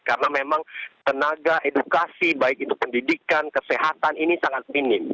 karena memang tenaga edukasi baik itu pendidikan kesehatan ini sangat minim